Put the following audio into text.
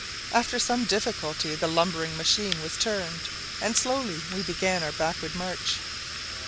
After some difficulty the lumbering machine was turned, and slowly we began our backward march.